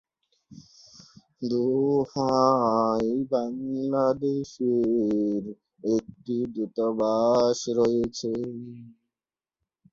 দোহায় বাংলাদেশের একটি দূতাবাস রয়েছে।